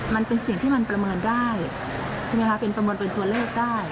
มันเป็นเสียงที่มันประเมินได้ใช่ไหมคะเป็นประเมินเป็นตัวเลขได้